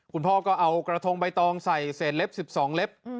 คุณพ่อก็เอากระทงใบตองใส่เศษเล็บ๑๒เล็บ